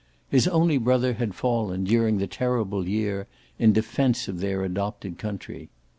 His only brother had fallen, during the Terrible Year, in defence of their adopted country.